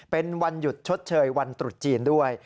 เป็นวันหยุดชดเชยวันตรุษจีนด้วย